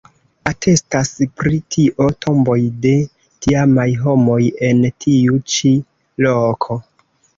Atestas pri tio tomboj de tiamaj homoj en tiu ĉi loko.